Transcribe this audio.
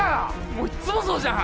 ・もういっつもそうじゃん！